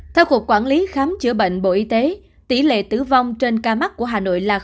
theo cục quản lý khám chữa bệnh bộ y tế tỷ lệ tử vong trên ca mắc của hà nội là